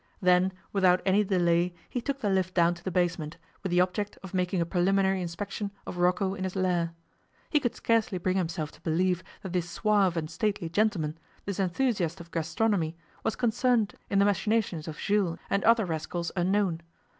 Then, without any delay, he took the lift down to the basement, with the object of making a preliminary inspection of Rocco in his lair. He could scarcely bring himself to believe that this suave and stately gentleman, this enthusiast of gastronomy, was concerned in the machinations of Jules and other rascals unknown.